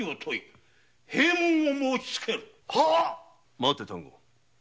待て丹後。